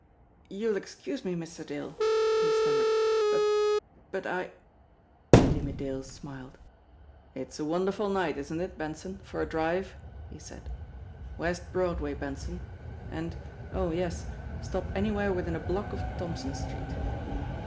"You'll excuse me, Mr. Dale," he stammered, "but but I " Jimmie Dale smiled. "It's a wonderful night, isn't it, Benson for a drive?" he said. "West Broadway, Benson and, oh, yes, stop any where within a block of Thompson Street."